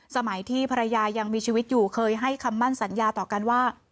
สมัยที่ภรรยายังมีชีวิตอยู่เคยให้คำมั่นสัญญาต่อกันว่า